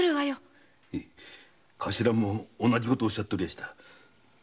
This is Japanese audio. カシラも同じことをおっしゃってました。